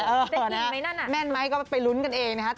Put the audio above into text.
ได้กินอีกไหมนั่นแม่นไหมก็ไปลุ้นกันเองนะฮะ